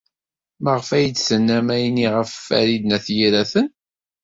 Maɣef ay d-tennam ayenni ɣef Farid n At Yiraten?